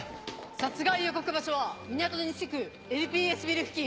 殺害予告場所はみなと西区ＬＰＳビル付近。